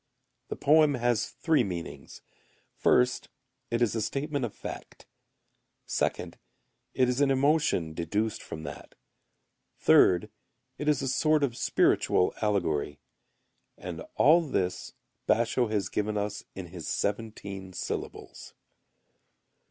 The poem has three meanings. First it is a statement of fact. Second, it is an emotion deduced from that. Third, it is a sort of spiritual allegory. And all this Basho[u] has given us in his seventeen syllables.